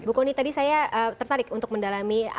bu kony tadi saya tertarik untuk mendalami